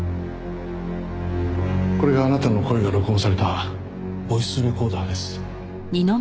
これがあなたの声が録音されたボイスレコーダーです。